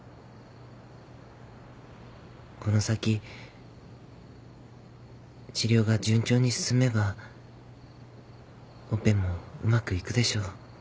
この先治療が順調に進めばオペもうまくいくでしょう。